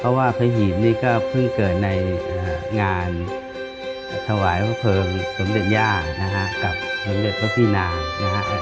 เพราะว่าพระหีบนี่ก็เพิ่งเกิดในงานถวายพระเพลิงสมเด็จย่านะฮะกับสมเด็จพระพี่นางนะฮะ